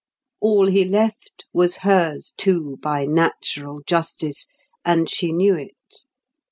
All he left was hers too, by natural justice; and she knew it.